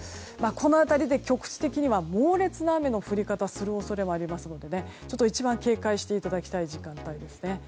この辺りで局地的には猛烈な雨の降り方をする恐れがありますので一番、警戒していただきたい時間です。